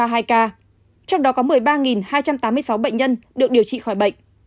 trong đó có một mươi ba hai trăm tám mươi sáu bệnh nhân được điều trị khỏi bệnh